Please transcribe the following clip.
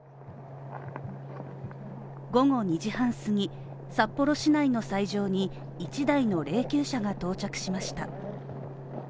午後２時半すぎ、札幌市内の斎場に１台の霊きゅう車が到着しました。